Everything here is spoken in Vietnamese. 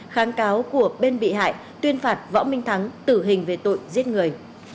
kháng cáo của bên bị hại tuyên phạt võ minh thắng tử hình về tội giết người